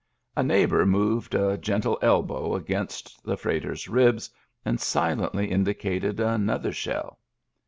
A neighbor moved a gentle elbow against the freighter's ribs, and silently indicated another shell.